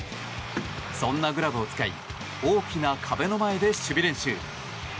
そんなグラブを使い大きな壁の前で守備練習。